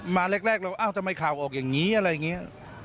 แรกเราเอ้าทำไมข่าวออกอย่างนี้อะไรอย่างนี้